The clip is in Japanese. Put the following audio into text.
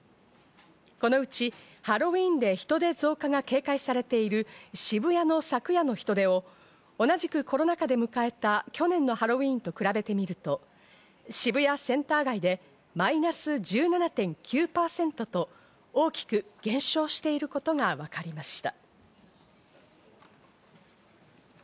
このうちハロウィーンで人出増加が警戒されている渋谷の昨夜の人出を同じくコロナ禍で迎えた去年のハロウィーンと比べてみると渋谷センター街でマイナス１７．９％と大きく減少していることがわかりました。